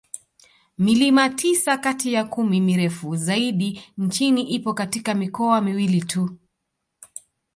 Milima tisa kati ya kumi mirefu zaidi nchini ipo katika mikoa miwili tu